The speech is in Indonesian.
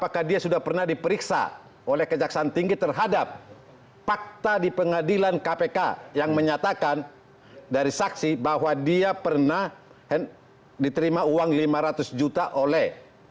apakah dia sudah pernah diperiksa oleh kejaksaan tinggi terhadap fakta di pengadilan kpk yang menyatakan dari saksi bahwa dia pernah diterima uang lima ratus juta oleh